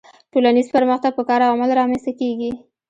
ټولنیز پرمختګ په کار او عمل رامنځته کیږي